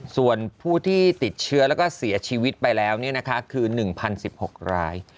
ส่วนผู้ที่ติดเชื้อแล้วก็เสียชีวิตไปแล้วคือ๑๐๑๖ราย